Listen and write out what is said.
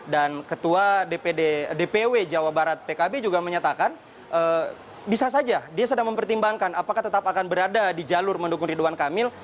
dan ketua dpw jawa barat pkb juga menyatakan bisa saja dia sedang mempertimbangkan apakah tetap akan berada di jalur mendukung ridwan kamil